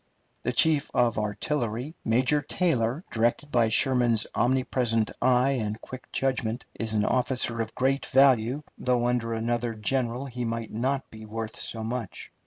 The chief of artillery, Major Taylor, directed by Sherman's omnipresent eye and quick judgment, is an officer of great value, though under another general he might not be worth so much.